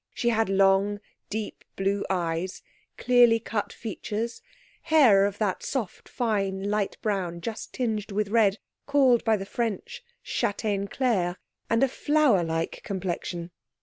She had long, deep blue eyes, clearly cut features, hair of that soft, fine light brown just tinged with red called by the French châtain clair; and a flower like complexion.